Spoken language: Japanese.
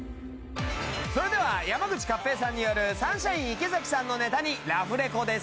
それでは山口勝平さんによるサンシャイン池崎さんのネタにラフレコです。